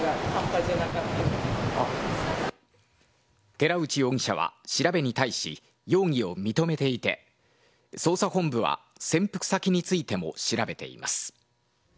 寺内容疑者は調べに対し容疑を認めていて捜査本部は潜伏先についても調べています。